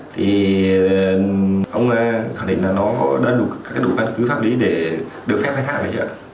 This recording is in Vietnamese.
thì ông khẳng định là nó đã đủ các đủ văn cứ pháp lý để được phép khai thác phải chứ ạ